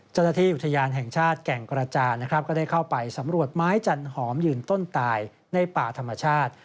เจ้าหน้าที่อุทยานแห่งชาติแก่งกระจานนะครับก็ได้เข้าไปสำรวจไม้จันหอมยืนต้นตายในป่าธรรมชาติ